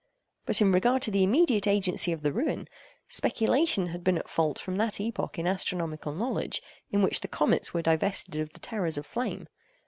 But in regard to the immediate agency of the ruin, speculation had been at fault from that epoch in astronomical knowledge in which the comets were divested of the terrors of flame.